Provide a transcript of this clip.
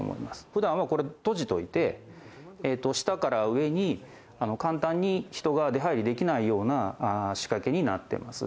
普段は、これ、閉じておいて下から上に簡単に人が出入りできないような仕掛けになっています。